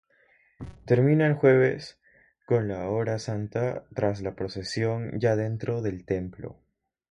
Termina el Jueves con la Hora Santa, tras la procesión ya dentro del templo.